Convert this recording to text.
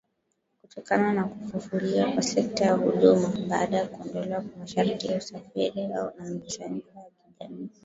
kutokana na kufufuliwa kwa sekta ya huduma, baada ya kuondolewa kwa masharti ya usafiri na mikusanyiko ya kijamii